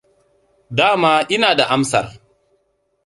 Dama ina da amsar.